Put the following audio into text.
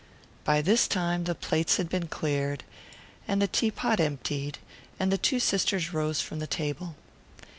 By this time the plates had been cleared and the teapot emptied, and the two sisters rose from the table.